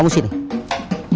masa mainnya ular tangga